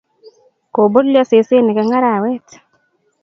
Kobolio sesenik eng arawet